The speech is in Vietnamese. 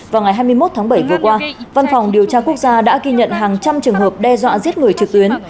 vào ngày hai mươi một tháng bảy vừa qua văn phòng điều tra quốc gia đã ghi nhận hàng trăm trường hợp đe dọa giết người trực tuyến